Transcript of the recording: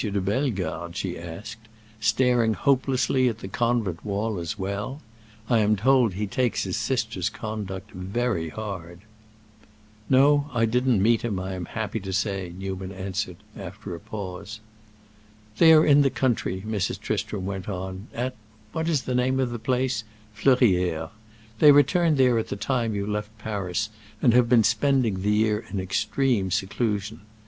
de Bellegarde," she asked, "staring hopelessly at the convent wall as well? I am told he takes his sister's conduct very hard." "No, I didn't meet him, I am happy to say," Newman answered, after a pause. "They are in the country," Mrs. Tristram went on; "at—what is the name of the place?—Fleurières. They returned there at the time you left Paris and have been spending the year in extreme seclusion.